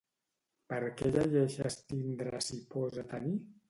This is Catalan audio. Per què llegeixes tindre si posa tenir?